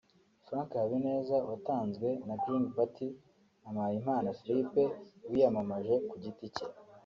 Frank Habineza watanzwe na Green Party na Mpayimana Philippe wiyamamaje ku giti cye